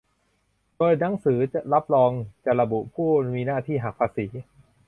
โดยหนังสือรับรองจะระบุผู้มีหน้าที่หักภาษี